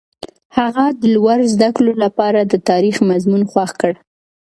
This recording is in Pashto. هغه د لوړو زده کړو لپاره د تاریخ مضمون خوښ کړ.